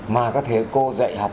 mà các thầy cô dạy học